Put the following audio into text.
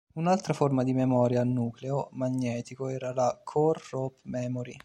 Un'altra forma di memoria a nucleo magnetico era la core rope memory.